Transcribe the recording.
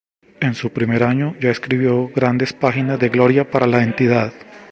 En su primer año ya escribió grandes páginas de gloria para la entidad.